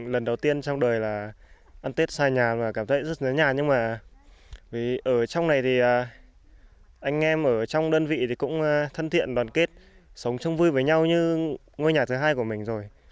lần đầu tiên trong đời là ăn tết xa nhà và cảm thấy rất nhớ nhà nhưng mà ở trong này thì anh em ở trong đơn vị thì cũng thân thiện đoàn kết sống chung vui với nhau như ngôi nhà thứ hai của mình rồi